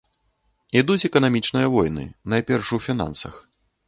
Ідуць эканамічныя войны, найперш у фінансах.